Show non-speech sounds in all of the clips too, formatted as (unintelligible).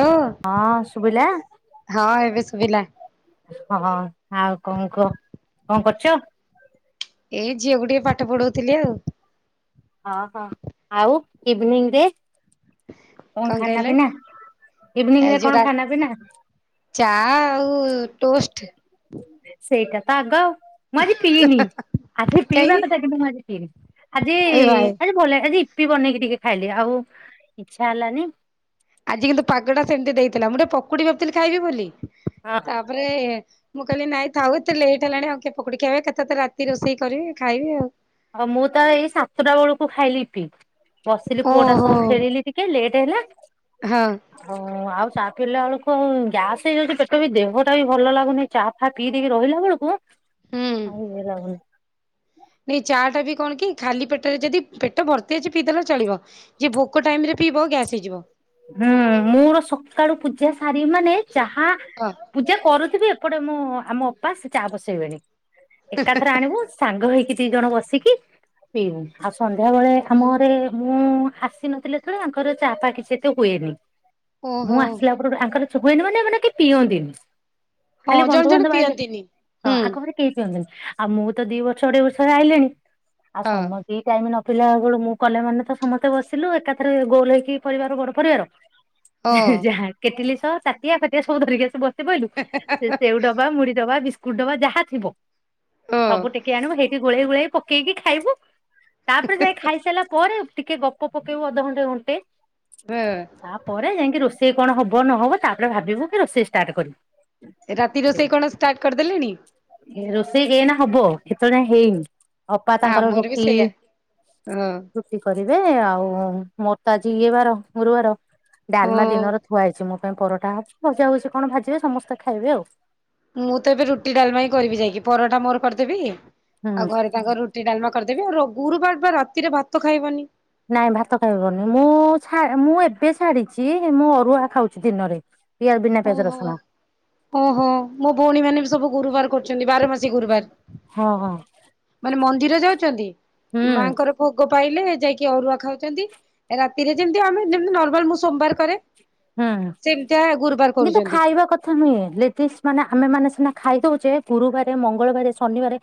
ହ ହଁ ଶୁଭିଲା ହଁ ଏବେ ଶୁଭିଲା ହଁ ଆଉ କଣ କହ କଣ କରୁଛ? ଏଇ ଝିଅକୁ ଟିକେ ପାଠ ପଢଉଥିଲି ଆଉ। ଓହୋ ଆଉ ଇଭିନିଂ ରେ କଣ ଖାନା କହିଲେ ପିନା ଇଭିନିଂ ଏ ରେ ଯୋ କଣ ଖାନା ପିନା ଚା ଆଉ ଟୋଷ୍ଟ, ସେଇଟା ତ ଆଗ ଆଉ, ମୁଁ ଆଜି ପିଇନି ଆଜି ସେ ପିଇବା କାହିଁକି କଥା କିନ୍ତୁ ମୁଁ ଆଜି ପିଇନି। ଆଜି ଏ ଭାଇ ଆଜି ଭଲ ଆଜି, ିଇପି ବନେଇକି ଟିକେ ଖାଇଲି ଆଉ ଇଚ୍ଛା ହେଲାନି ଆଜି କିନ୍ତୁ ପାଗଟା ସେମିତି ଦେଇଥିଲା ମୁଁ ଟିକେ ପ ପକୁଡ଼ି ଭାବୁଥିଲି ଖାଇବି ବୋଲି ଆଉ ତାପରେ ମୁଁ କହିଲି ନାଇଁ ଥାଉ ଏତେ ଲେଟ୍ ହେଲାଣି ଆଉ ପୋଡି ଖାଇବା କଥା ତ ରାତି ରୋଷେଇ କରିବେ ଖାଇବି ଆଉ ହଉ ମୁଁ ତ ଏଇ ସାତଟା ବେଳକୁ ଖାଇଲି ଇପି ବସିଲି ପୁଅଟା ସବୁ ଓହୋ ଖେଳିଲି ଟିକେ ଲେଟ ହେଲା ହଁ ହଁ ଆଉ ଚା ପିଇଲା ବେଳକୁ ଆଉ ଗ୍ୟାସ୍ ହେଇଯାଉଛି ପେଟ ବି ଦେହଟା ବି ଭଲ ଲାଗୁନି ଚା ଫା ପଇ ଦେଇକି ରହିଲା ବେଳକୁ- ହୁଁ ଆଉ ଇଏ ଲାଗୁନି ଚାଟା ବି, କଣ କି ଖାଲି ପେଟରେ ଯଦି ପେଟ ଭର୍ତ୍ତି ଅଛି ପି ଦେଲେ ଚଳିବ ଯିଏ ଭୋକ ଟାଇମରେ ହୁଁ ମୋର ସକାଳୁ ପୂଜା- ଶାରି ମାନେ- ଚାହା ହଁ ପୂଜା କରୁଥିବି ସେପଟେ ମୁଁ ଆମ ଅପା ସେ ଚା ବସେଇବଣି- ଏକାଥରେ ଆଣିବୁ ସାଙ୍ଗ ହେଇଛିି- ଦି ଜଣ ବସିକି ପିଇବୁ ଆଉ ସନ୍ଧ୍ୟାବେଳେ ଆମ ଘରେ ମୁଁ ଆସି ନଥିଲି ଥରେ ର ଚାପା କିଛି ଏତେ ହୁଏନି- ମୁଁ ଓହୋ ଆସିଲା ପରଠୁ ଆଙ୍କର- - ହୁଏନି ମାନେ ମାନେ କି ପିଅନ୍ତିନି- ହଁ ଖାଲି ଜଣେ ଜଣେ ବନ୍ଧୁବାନ୍ଧବ ଆଇଲେ ପିଅନ୍ତିନି ହଁ ହୁଁ ଆଖପଖରେ କେହି ପିଅନ୍ତିନି- ଆଉ ମୁଁ ତ ଦି ବର୍ଷ ଅଢେଇ ବର୍ଷରେ ଆଇଲିଣି ଆଉ ହଁ ସମୟ କି ଟାଇମ ନ- ପିଲା ବେଳୁ ମୁଁ କଲେ ମାନେ ତ ସମସ୍ତେ ବସିଲୁ ଏକାଥରେ- ଗୋଲ ହେଇକି ପରିବାର ବଡ ପରିବାର- ହଁ ଯାହା କେଟିଲ- ତ ଚାଟିଆ ଫାଟିଆ ସବୁ ଧରିକିସ ବସ- ସେ ବହିଲୁ ସେ ସେଉ ଡବା ମୁଡି ଡବା- କଡବା ଯାହା ଥିବ- ହଁ ସବୁ ଟେକି ଆଣିବୁ ହେଇଠି- ଗୋଳେଇ ଗୋଳେଇ ପକେଇକି ଖାଇବୁ- ତାପରେ ଯାଇ ଖାଇସାରିଲା ପରେ- ଟିକେ ଗପ ପକେଇବ ଅଧଘଣ୍ଟେ- (inaudible) ହଁ ତାପରେ ଯାଇକି ରୋଷେଇ- ସେ କଣ ହବ ନହବ ତାପରେ ଭାବିବୁ କି ରୋଷେଇ ଷ୍ଟାର୍ଟ କରିବୁ- ରାତି ରୋଷେଇ କଣ ଷ୍ଟାର୍ଟ କରିଦେଲେଣି? ରୋଷେଇ ଏ ନା ହବ- ଣ ହେଇ- ଅପା ତାଙ୍କର ଆମର ବି ରୁଟି ସେଇଆ ହଁ ରୁଟି କରିବେ ଆଉ- ମ ତ ଆଜି ଇଏ ବାର ଗୁରୁବାର- ଡାଲମା ହଁ ଦିନର ଥୁଆ ହେଇଛି ମୋତେ- ତା ପାଇଁ ପରଟା ହବ ଭଜା ଭଜି କଣ ଭାଜିବେ ସମସ୍ତେ ଖାଇବେ ଆଉ ମୁଁ ତ ଏବେ ରୁଟି ଡାଲମାାଇଁ କରିବି ଯାଇକି ପରଟା ମୋର କରିଦେବି। ହୁଁ ଆଉ ଘରେ ତାଙ୍କ ରୁଟି ଡାଲମା କରିଦେବି ଆଉ ଗୁରୁବାର ବା ରାତିରେ ଭାତ ଖାଇବନି ନାଇଁ ଭାତ ଖାଇବନି ମୁଁ ମୁଁ ଏବେ ଛାଡିଛି ମୁଁ ଅରୁଆ ଖାଉଛି ଦିନରେ ପିଆ ବିନା ପିଆଜ ଓହୋ ରସୁଣ ଓହୋ ମୋ ଭଉଣୀ ମାନେ ବି ସବୁ ଗୁରୁବାର କ? ଛନ୍ତି ବାର ଗୁରୁବାର ହଁ ହଁ ମାନ ମ ଧୀରେ ଯାଉଛନ୍ତି। ହୁଁ ମାଆଙ୍କର ଭୋଗ ପାଇଲେ ଯାଇକି ଅରୁଆ ଖାଉଛନ୍ତି ରାତିରେ ଯେମିତି ଆମେ ଯେ ନର୍ମାଲ ମୁଁ ସୋମବାର କରେ ହୁଁ। ଯେମିତିଆ ଗୁରୁବାର କିନ୍ତୁ କରୁଛନ୍ତି ଖାଇବା କଥା ନୁହେଁ ଲେଡ଼ିଜ ମାନେ ଆମେ ମାନେ ଖାଇ ଦଉଛେ ଗୁରୁବାରେ ମଙ୍ଗଳବାରେ ଶନିବାରେ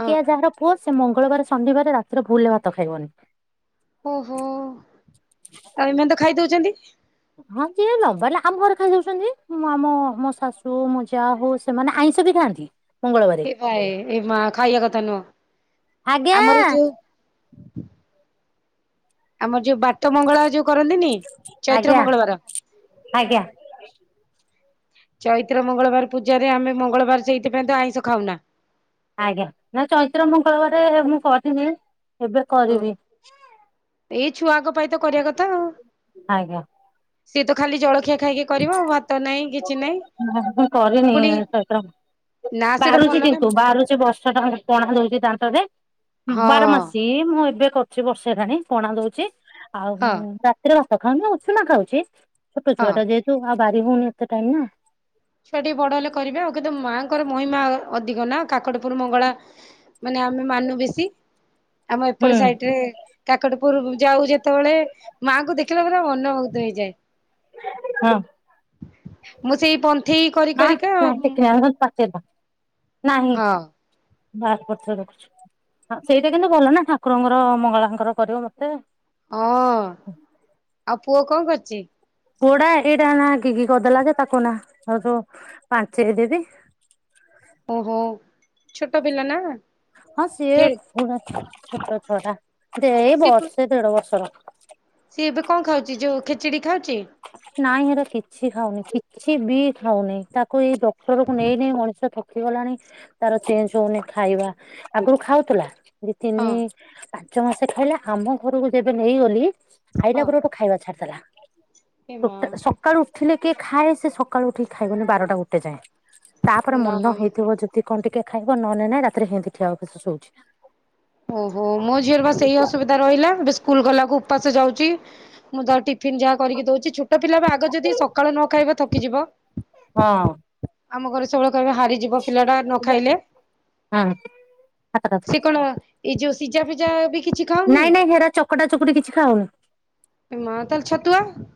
ହଁ। ଯାହାର ପୁଅ ସେ ମଙ୍ଗଳବାରେ ସନିବାରେ ରାତିରେ ଭୁଲରେ ଭାତ ଖାଇବନି ଓହୋ ଏଇନା ତ ଖାଇଦଉଛ। ସେମତି ହଁ ଯିଏ ନ ବାରଲା ଆମ ଘରେ ଖାଇଯାଉଛନ୍ତି, ମୋ ଆମ ମୋ ଶାଶୁ ମୋ ଯା ହଉ ସେମାନେ ଆଇଁଷ ବି ଖାଆନ୍ତି। ମଙ୍ଗଳବାରେ ଏ ଆଏ ଏ ମା ଖାଇବା କଥା ନୁହଁ, ଆଜ୍ଞା ଆମର ଯୋଉ (inaudible) ଆମର ଯୋଉ ବାଟମଙ୍ଗଳା ଯୋଉ କରନ୍ତିନି, ଚୈତ୍ର ଆଜ୍ଞା ମଙ୍ଗଳବାର ଆଜ୍ଞା ଚୈତ୍ର ମଙ୍ଗଳବାର ପୂଜାରେ ଆମେ ମଙ୍ଗଳବାର ସେଇଥି ପାଇଁ ତ ଆଇଁଷ ଖାଉନା। ଆଜ୍ଞା ନା ଚୈତ୍ର ମଙ୍ଗଳବାରେ ମୁଁ କରିଥିନି। ଓ ଏଇ ଛୁଆଙ୍କ ପାଇଁ ତ କରିବା କଥା ଆଉ। ସିଏ ତ ଖାଲି ଜଳଖିଆ ଖାଇକି କରିବ ଆଉ ଭାତ ନାହିଁ କିଛି ନାହିଁ ମୁଁ ବି କରିନି ପୁଣି ଚୈତ୍ର ମା ନା ସେଇଟା ଭଲ ପାରୁଛି ନା କିନ୍ତୁ ବାରୁଛି ବର୍ଷ ଟା ଖଣ୍ଡେ ପଣା ଦଉଚି, ଦା ତରେ ହଁ ବାରମାସି ମୁଁ ଏବେ କରୁଛି ବର୍ଷେ ହେଲାଣି ପଣା ଦଉଚି। ଆଉ ହଁ ହୁଁ ରାତିର ସଖାଳୁ ମୁଁ ଉସୁନା ଖାଉଛି। ଛୋଟ ହଁ। ଛୁଆଟା ଯେ ଆଉ ବାାରି ହଉନି ଏତେ ଟାଇମ୍ ନା ଛୁଆ ଟିକେ ବଡ ହେଲେ କରିବେ ଆଉ କିନ୍ତୁ ମାଆଙ୍କର ମହିମା ଅଧିକ ନା। କାକଟପୁର ମଙ୍ଗଳା ମାନେ ଆମେ ମାନୁ ବେଶୀ ଆମ ନା ଏପଟେ ହୁଁ ସାଇଟରେ କାକଟ ପୂର୍ବ ଯାଉ ଯେତେବେଳେ ମାଙ୍କୁୁ ଦେଖିଲା ପରେ ମନମୁଗ୍ଧ ହେଇଯାଏ। ହଁ ମୁଁ ସେଇ ପନ୍ ମା ନାଇ ଟିକେ ଆଣ ମା ପାତେରବା ନାହିଁ ହଁ ହଁ ସେଇଟା କିନ୍ତୁ ଭଲ ନା ଠାକୁରଙ୍କର ମଙ୍ଗଳାଙ୍କର କରିବ ମୋତେ ହଁ ଆପ୍ ପୁଅ କଣ କରୁଚି? ପୋଡା ଏଇଟା ନା ଗିଗି କରିଦେଲା ଯେ ତାକୁ ନା ସେଉଠୁ ପାଞ୍ଚେଇ ଦେବି। ଓହୋ ଛୋଟ ପିଲା ନା। ହଁ ସିଏ ଖେ ପୁ -ଛୋଟ ଛୁଆ ଟା ଦେ ଏ ସିଏ ପ ବର୍ଷେ ଦେଢ ବର୍ଷର। ସିଏ ଏବେ କଣ ଖାଉଚି ଯୋଉ ଖେଚେଡ଼ି ନାହିଁ ହେରା କିଛି କିଛି ଖାଉନି କିଛି ବି ଖାଉନି ତା ଏଇ ଡ଼କ୍ଟର କୁ ନେଇ ନେଇ ମଣିଷ ଦେଖିଗଲାଣି ତାର ଚେଞ୍ଜ ହଉନି ଖାଇବା ଆଗରୁ ଖାଉଥିଲା। ଦି ହଁ ତିନି ପାଞ୍ଚ ମାସ ଖାଇଲେ ଆମ ଘରକୁ ଯେବେ ନେଇଗଲି ହଁ ଆଇଲା ପରେ ଗୋ ଖାଇବା ଛାଡିଦେଲା ଏ ମା ସକାଳୁ ଉଠିଲେ କିଏ ଖାଏ ସେ ସକାଳୁ ଉଠିକି ଖାଇବନି ବାରଟା ଗୋଟେ ଯାଏ ତାପରେ ନା ମନ ହେଇଥିବ ଯଦି କଣ ଟିକେ ଖାଇବ ନହେଲେ ନାଇଁ ରାତିରେ ହିିନ୍ତି ଠିଆ ଓପାଷ ସୋଉଛି ଓହୋ ମୋ ଝିଅର ବାସ ସେଇ ଅସୁବିଧା ରହିଲା ଏବେ ସ୍କୁଲ ଗଲାକୁ ଉପାସେ ଯାଉଛି। ମୁଁ ଦ ଟଟି ଫନ୍ ଯାହା କରିକି ଦଉଛି ଛୋଟ ପିଲା ବା ଆଗ ଯଦି ସକାଳ ନ ଖାଇବା ଥକିଯିବ ହଁ ଆମ ଘରେ ସବୁ କହେ ହାରିଯିବ ପିଲା ଟା ନ ଖାଇଲେ ହଁ ସେ କଣ ଏ ଯଉ ସିଜା ପିଜା ବି କିଛି ଖାଉନି ନାଇଁ ନାଇଁ ହେରା ଚକଟା ଚକୁଟି କିଛି ଖାଉନି- ଏ ମା ତାହେଲେ ଛତୁଆ-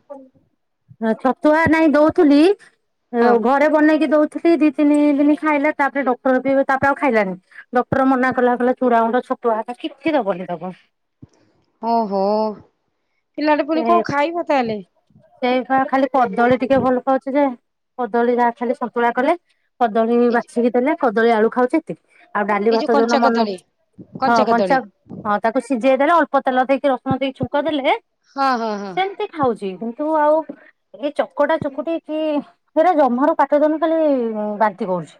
ଛତୁଆ ନାଇଁ ଦଉଥିଲି- ହଁ ଆଉ ଘରେ ବନେଇକି ଦଉଛି- ଟିକେ ଦି ତିନି ଦିନ ଖାଇଲା ତାପରେ ଡକ୍ଟର ବି ତାପରେ ଆଉ ଖାଇଲାନି ଡକ୍ଟର ମନା କଲା ଚୁଡ଼ା ଗୁଣ୍ଡ ଛତୁଆହକା କିଛି ଦବନି ଦେବ- ଓହୋ ପିଲାଟେ ପୁଣି କଣ ଖାଇମ ତାହେଲେ ସେଇଭ ଖାଲି କଦଳୀ ଟିକେ ଭଲ ପାଉଛି ଯେ କଦଳୀ ଯାହା ଖାଲି ସନ୍ତୁଳା କଲେ- କଦଳୀ ଏ ବାଛକି ଦେଲେ- କଦଳୀ ଆଳୁ ଖାଉଛ ଏତିି- ଆଉ ଡାଲି ଏଇ ଭାତ ଯୋଉ କଞ୍ଚା ମନ କଦଳୀ ହଁ କଞ୍ଚା ହଁ ତାକୁ ସିଝେଇ ଦେଲେ ଅଳ୍ପ ତେଲ ଦେଇକି ରସୁଣ ଦେଇକି ଛୁଙ୍କ ଦେଲେ ହଁ ହଁ ହଁ ସେମିତି ଖାଉଛି ଜ ତୁ ଆଉ ଏ ଚକଟା ଚକୁଟି କି ସେରା ଜମାରୁ ପାଟ ଦନ ଖାଲି ବାନ୍ତି କରୁଛି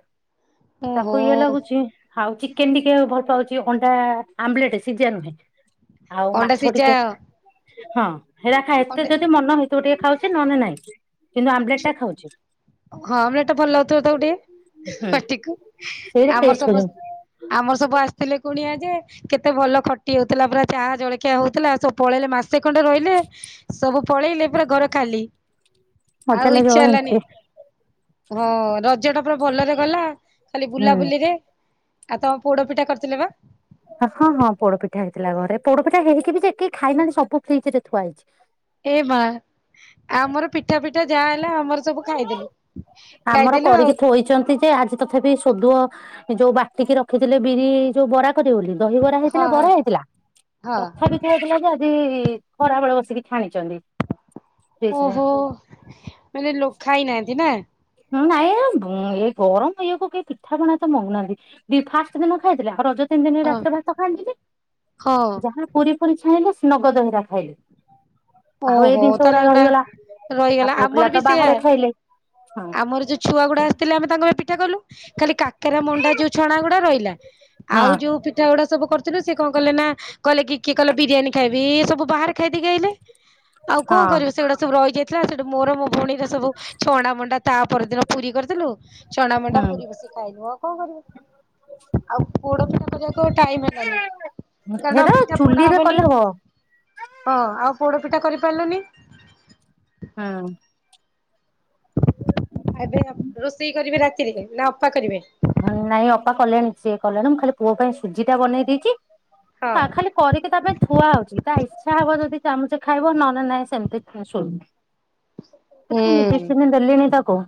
ଓହୋ ତାକୁ ଇଏ ଲାଗୁଛି- ଆଉ ଚିକେନ ଟିକେ ଭଲ ପାଉଛି ଅଣ୍ଡା ଆମ୍ଲେଟ ସିଝା ନୁହେଁ- ଆଉ ଅଣ୍ଡା ମାଛ ସିଝା ଟିକେ ହଁ ହେଇରା ଖା ଏତେ ଅଣ୍ଡା ଯଦି ମନ ହେଇ- ତୁ ଟିକେ ଖାଉଛି, ନହେଲେ ନାଇଁ ଟା ଛୋ, ଖାଉଛି ହଁ ଆମ୍ବଲେଟ ଟା ଭଲ ଲାଗୁଥ ତାକୁ ଟିକେ, ହୁଁ ପାଟିକୁ ସେଇଟା ଟେଷ୍ଟ ଆମର କରି ଆମର ସବୁ ଆସିଥିଲେ କୁଣିଆଜି ଯେ କେତେ ଭଲ ଖଟି ହଉଥିଲା, ପୁରା ଚାହା ଜଳଖିଆ ହଉଥିଲା ସବୁ ପଳେଇଲେ ମାସେ ଖଣ୍ଡେ ରହିଲେ ସବୁ ପଳେଇଲେ ପୁରା ଘର ଖାଲି। ଆଉ ମଜା ଇଚ୍ଛା ଲାଗିବ। ହେଲାନି ଏମିତି, ହଁ ରଜ ଟା ପୁରା ଭଲରେ ଗଲା। ଖାଲି ହୁଁ ବୁଲାବୁଲିରେ। ଆଉ ତମ ପୋଡ ପିଠା କରିଥିଲେ ବା। ହଁ ହଁ ପୋଡପିଠା ହେଇଥିଲା। ଘରେ ପୋଡପିଠା ହେଇକି ବି ଯେ କେହି ଖାଇନାହାନ୍ତି ସବୁ ଫ୍ରିଜ ରେ ଥୁଆ ହେଇଛି। ଏ ମା ଆମର ପିଠା ପିଠା ଯାହା ହେଲା ଆମର ସବୁ ଖାଇଦେଲୁ। ଆମର ଖାଇଦେଲୁ ଆଉ କରିକି ଥୋଇଛନ୍ତି, ଯେ ଆଜି ତଥାପି ଶୋଧୁଅ ଯୋଉ ବାଟିକି ରଖିଥିଲେ। ବିରି ଯୋଉ ବରା ଦହିିବରା ହଁ ହେଇଥିଲା ହଁ ବରା ହେଇଥିଲା ହଁ ତଥାପି ହେଇଥିଲା ଯେ ଖରାବେଳେ ବସିକି ଛାଣିଛନ୍ତି। ଫ୍ରିଜ ରେ ଓହୋ ମାନେ ଲଖା ହେଇ ନାହାନ୍ତି ନା। ହୁଁ ନାଇଁ ଏଇ ଗରମ ଇଏକୁୁ କେ ପିଠାପଣା ତ ମଗୁନାହାନ୍ତି। ଫାଷ୍ଟ ଦିନ ଖାଇଥିଲେ ଆଉ ରଜ ତିନି ଦିନ ହଁ ରାତି୍ର ଭାତ ଖାଆନ୍ତିିନି। ହଁ ଯାହା ପୁରୀ ପୁରୀ ଛାଣିଲ ନଗଦହିରା ଖାଇଲେ। ଆଉ ଏଇ ଓହୋ ଜିନିଷ ତାହେଲେ ଗୁଡା ଏଗୁଡା ରହିଗଲା। ଆଉ ରହିଗଲା ପୁଅ ଆମର ପିଲା ବି ତ ସେଇଆ ବାହାରେ ଖାଇଲେ। ହଁ ଆମର ଯୋଉ ଛୁଆ ଗୁଡ ଆଥିଲେ ଆମେ ତାଙ୍କ ପାଇଁ ପିଠା କଲୁ ଖାଲି କାକେରା ମଣ୍ଡା ଯୋଉ ଛଣା ଗୁଡା ରହିଲା। ହଁ ଆଉ ଯୋଉ ପିଠାଗୁଡା ସବୁ କରି ସେ କଣ କଲେ ନା କହଲେ କି କିଏ କଲେ ବିରିୟାନୀ ଖାଇବି ସବୁ ବାହାରେ ଖାଇଦକି ଆହଲେ। ଆଉ କଣ ହଁ କରିବ ସେଗୁଡା ସବୁ ରହିଯାଇ। ଥିଲା ସେଠୁ ମୋର ମୋ ଭଉଣୀର ସବୁ ଛଣ୍ଡ ମଣ୍ଡା ତା ପରଦିନ ପୁରୀ କରିଥିଲୁ। ଚଛଣା ମଣ୍ଡା ହୁଁ ପୁରୀ -ବସ ଖାଇଦବ ଆଉ କଣ କରିବ ଆଉ, ପୋଡ ପିଠା କ ଟାଇ ହେଲି କାରଣ ହେରା ପିଠା ପଡା ଚୁଲିରେ ହବନି କଲେ ହବ ହଁ ଆଉ ପୋଡ଼ପିଠା କରିପାରିଲନି। ହଁ। ଏବେ ରୋଷେଇ କରିବେ ରାତିରେ ନା ଅପା କରିବେ? ନାଇଁ ଅପା କଲେଣି ସିଏ କଲେଣି ମୁଁ ଖାଲି ପୁଅ ପାଇଁ ସୁଜି ଟା ବନେଇ ଦେଇଛି। ହଁ ଖାଲି କରିକି ତା ପାଇଁ ଥୁଆ ହଉଛି। ଛା, ହବ ଯଦି ଚାମଚ ଖାଇବ ନହେଲେ ନହିଁ ସେମିତି ଶୁଣନି। ହୁଁ କେତେ ମେଡିସିନେ ଦେଲିଣି କ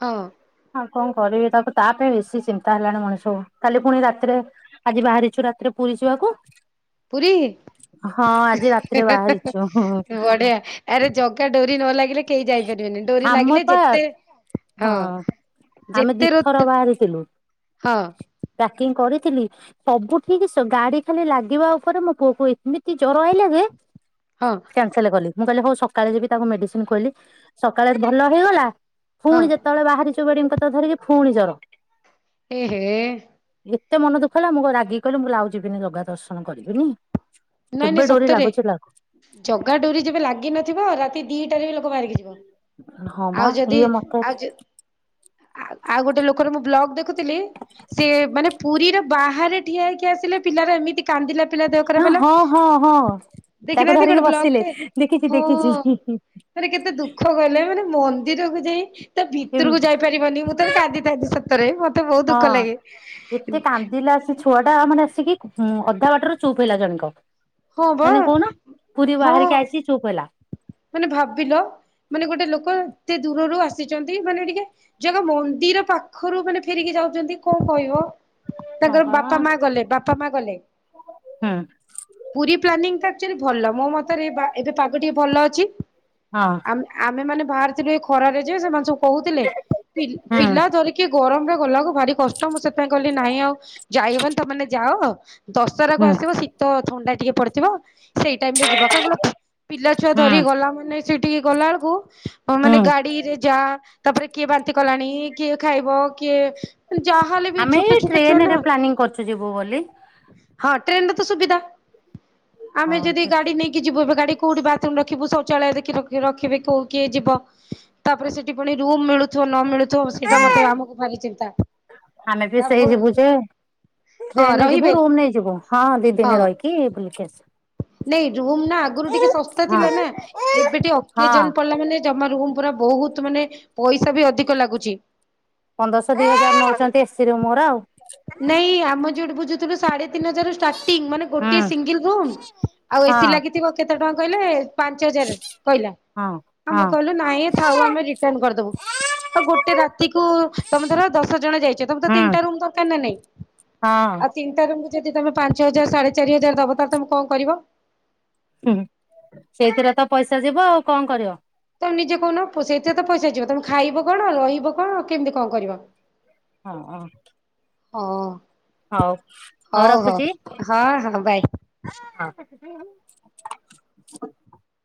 ହଁ। ଆଉ କଣ କରିବି ତାକୁ। ତା ପାଇଁ ବେଶୀ ଚିନ୍ତା ହେଲାଣି ମଣିଷକୁ। କାଲି ପୁଣି ରାତିରେ ଆଜି ବାହାରିଚୁ ରାତିରେ ପୁରୀ ଯିବାକୁ। ପ୍ରୀ। ହଁ ଆଜି ରାତିରେ ବାହାରିଛୁ ହୁଁ ବଢିଆ ଆରେ ଜଗା ଡୋରି ନଲାଗି କେହି ଯାଇପାରିବେନି। ଡୋରି ଆମ ଲାଗିଲେ ପା ଯେତେ ହଁ ଆମେ ଯେତେ ରୋ ଦିଥର ବାହାରିଥିଲୁ। ହଁ। କିଙ୍ଗ କରିଥିଲି। ହୁଁ, ସବୁ ଠିକ ଗାଡି ଖାଲି ଲାଗିବା ଉପରେ ମୋ ପୁଅକୁ ଏମିତି ଜର ଆଇଲା ଯେ ହଁ କ୍ୟାନସଲ କଲି। ମୁଁ କହିଲି ହଉ ସକାଳେ ଯିବି ତାକୁ ମେଡିସିନ ଖୁଏଇଲି। ସକାଳେ ଭଲ ହେଇଗଲା। ହଁ ପୁଣି ଯେତେବେଳେ ବାହାରିଚୁ, ବେଡିେଙ୍ଗ୍ ତ ଧରିକି ଫୁଣି ଜର ଏହେ। ଏତେ ମନ ଦୁଃଖ ହେଲା ମୁଁ ରାଗିକି କହିଲି, ମୁଁ ଆଉ ଯିବିନି ଜଗା ଦର୍ଶନ କରିବିନି। ନାଇଁ କେବେ ନାଇଁ ଡୋରି ସତରେ ଲାଗୁଛି ଲାଗୁ ଜଗା ଡୋରି ଯେବେ ଲାଗି ନଥିବ ରାତି ଦିଟାରେ ହେଲେ ବହା ମରିକି ଯିବ ହଁ ବା ଆଉ ଯଦି ଇଏ ମତେ ଆଉ ଆ-ଆଉ ଗୋଟେ ଲୋକର ମୁଁ ବ୍ଲଗ ଦେଖୁଥିଲି, ସେ ମାନେ ପୁରୀର ବାହାରେ ଠିଆ ହେଇକି ଆସିଲେ ପିଲାର ଏମିତି କାନ୍ଦିଲା। ପିଲା ଦେହ ଖରାପ ହେଲା। ହଁ ହଁ ହଁ, ତାକୁ ଦେଖିନାହାନ୍ତି ଧରିକି ଗୋଟେ ବସିଲେ ବ୍ଲଗଟେ ଦେଖିଚି ହଁ ଦେଖିଚି। ମନ୍ଦିର କୁ ଯାଇ ତା ଭିତରକୁ ଯାଇ ପାରିବନି ମୁଁ ଥରେ କାନ୍ଦିଥାଏ ସ ରେ। ହଁ ଏତେ କାନ୍ଦିଲେ ଆସିଛୁ। ଛୁଆ ଟା ମାନେ ଆସିକି ଅଧା ବାଟର ଚୁପ୍ ହେଇଲା ଜାଣି କହ। ହଁ ବା ମାନେ କହୁନ ପୁରୀ ହଁ ବାହାରିକି ଆସିି ଚୁପ ହେଇଲା। ମାନେ ଭାବିଲ ମାନେ ଗୋଟେ ଲୋକ ଏତେ ଦୂରରୁ ଆସି ଆସିଛନ୍ତି ମାନେ ଟିକେ ଯକ ମନ୍ଦିର ପାଖରୁ ମାନେ ଫେରିକି ଯାଉଛନ୍ତି କଅଁ କହିବ। ହଁ ତାଙ୍କର ବା ବାପା ମା ଗଲେ ବାପା ମା ଗଲେ। ହୁଁ ପୁରୀ ପ୍ଲାନିଂଟା ଆକ୍‌ଚୁଲି ଭଲ ମୋ ମତରେ ଏବେ ପାଗ ଟିକେ ଭଲ ଅ କିକ୍ ହଁ ଆମେ ଆମେମାନେ ଛି ବାହାରିଥିଲି। ଖରାରେ ଯେ ସେମାନେ ସବୁ କହୁଥିଲେ ପି ହୁଁ ପିଲା ଧରିକି ରେ ଗରମରେ ଗୋଲା କୁ ଭାରି କଷ୍ଟ ମୁଁ ସେଥିାଇଁ କହିଲି ନାହିଁ ଆଉ ଯାଇହବନି ତମାନେ ଯାଅ? ଦଶରାକୁ ହୁଁ ଆସିବ ଶୀତ ଥଣ୍ଡା ଟିକେ ପଡିଥିବ? ସେଇ ଟାଇମ ରେ ଯିବା କେବଳ କହିଲ ପିଲ ଛୁଆ ଧରି ହୁଁ ଗଲା ମାନେ ସେଟିକି ଗଲାବେଳକୁ ହଁ ମାନେ ହୁଁ ଗାଡିରେ ଯା ତାପରେ କିଏ ବାନ୍ତି କଲାଣି କିଏ ଖାଇବ କିଏ ଯାହାହେଲେ ବି ଆମେ ଛୋଟ ଏଇ ଛୋଟ ଛୁଆ ନା ଟ୍ରେନରେ ପ୍ଲାନିଂ କରିଚୁ ଯିବୁ ବୋଲି। ସୁ ସୁୁବିଧା। ହଁ ଆମେ ଯଦି ଗାଡି ନେଇକି ଯିବୁ ଏ ଗାଡି କୋ। (unintelligible) ଥୁମ୍ ରଖିବୁ ଶୌଚାଳୟ ଦେଖି ରଖ ରଖିବି କୋଉ କିଏ ଯିବ ତାପରେ ସେଠି ପୁଣି ରୁମ ମିଳୁ ଥିବ ନମିଳୁ ଥିବ ସେଇଟା ମତେ ଆମକୁ ଭାରି ଚିନ୍ତା। ଆମେ ବି ସେଇ ଯିବୁ ଯେ ହଁ ଟ୍ରେନରେ ଯିବୁ ରହିବେ ରୁମ ନେଇଯିବୁ ହଁ ଦି ଦିନ ହଁ ରହିକି ବୁଲିକି ଆସିବୁ ନାଇ ରୁ ନା ଆଗରୁ ଟିକେ ସ ହଁ ଥିଲେ ନା ଏବେ ଟିକେ ହଁ ଅକେଜନ ପଡିଲା ମାନେ ଜମା ରୁମ ପୁରା ବହୁତ ମାନେ ପଇସା ବି ଅଧିକ ଲାଗୁଚି। ପନ୍ଦରଶହ ଦିଇ ହଜାର ନେଉଚନ୍ତି ଏସିି ରୁମ ଗୁରା ଆଉ। ନାଇଁ ଆମ ଯଉଠି ବୁଝୁଥିଲୁ ସାଢେ ତିନି ହାଜାର ରୁ ଷ୍ଟାର୍ଟିଂ ମାନେ ଗୋଟେ ହୁଁ ସିଙ୍ଗଲ ରୁମ୍ ଆଉ ଏସି ହଁ ଲାଗିଥିବ କେ କେତେ ଟଙ୍କା କହିଲେ? ପାଞ୍ଚ ହଜାର କହିଲା। ହଁ ଆମେ ହଁ କହିଲୁ ନାଇଁ ଥାଉ ଆମେ ରିଟର୍ନ କରିଦବୁ। ଆଉ ଗୋଟେ ରାତିକୁ ତମେ ଧର ଦଶ ଜଣ ଯାଇ ଚ, ତମେ ତ ତିନିଟା ହୁଁ ର ନା ନାଇ, ହଁ ଆଉ ଚିନ୍ତା ତଙ୍କୁ ଯଦି ତମେ ପାଞ୍ଚ ହଜାର, ସାଢେ ଚାରି ହଜାର ଦବ, ତାହେଲେ ତମେ କଣ କରିବ? ହୁଁ ସେଇଥିରେ ତ ପଇସା ଯିବ ଆଉ କଣ କରିବ? ତ ନିଜେ କହନ, ସେଥିରେ ତ ପଇସା ଯିବ। ତେଣୁ ଖାଇବ କଣ? ରହିବ କଣ? କେମିତି କଣ କରିବ? ହଁ ହଁ ହଁ ହଉ ହଉ ରଖୁଛି ହଁ ହଁ ବାଏ। ହୁଁ